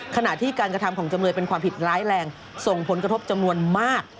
ขณะที่การกระทำของจำเลยเป็นความผิดร้ายแรงส่งผลกระทบจำนวนมาก